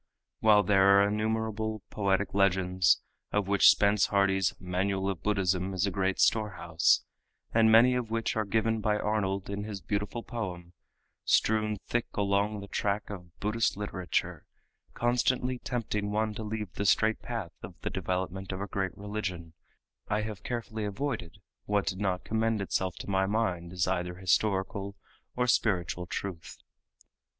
While there are innumerable poetic legends of which Spence Hardy's "Manual of Buddhism" is a great storehouse, and many of which are given by Arnold in his beautiful poem strewn thick along the track of Buddhist literature, constantly tempting one to leave the straight path of the development of a great religion, I have carefully avoided what did not commend itself to my mind as either historical or spiritual truth.